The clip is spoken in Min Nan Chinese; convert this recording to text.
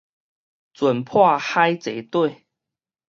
船破海坐底